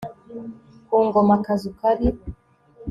ku ngoma akazu kari